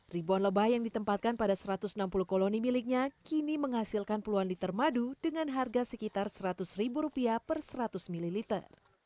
ribuan lebah yang ditempatkan pada satu ratus enam puluh koloni miliknya kini menghasilkan puluhan liter madu dengan harga sekitar seratus ribu rupiah per seratus ml